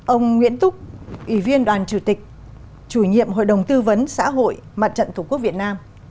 ông nguyễn túc ủy viên đoàn chủ tịch chủ nhiệm hội đồng tư vấn xã hội mặt trận tổ quốc việt nam